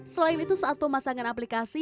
selain itu saat pemasangan aplikasi